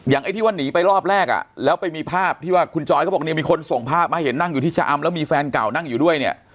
ไอ้ที่ว่าหนีไปรอบแรกอ่ะแล้วไปมีภาพที่ว่าคุณจอยเขาบอกเนี่ยมีคนส่งภาพมาเห็นนั่งอยู่ที่ชะอำแล้วมีแฟนเก่านั่งอยู่ด้วยเนี่ย